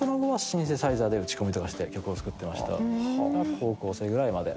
高校生ぐらいまで。